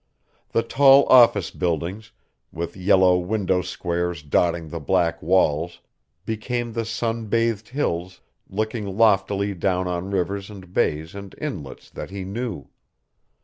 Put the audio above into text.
The tall office buildings, with yellow window squares dotting the black walls, became the sun bathed hills looking loftily down on rivers and bays and inlets that he knew.